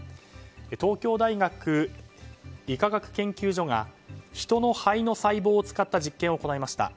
東京大学医科学研究所がヒトの肺の細胞を使った実験を行いました。